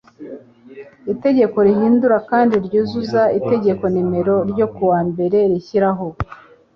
itegeko rihindura kandi ryuzuza itegeko n ryo ku wa mbere rishyiraho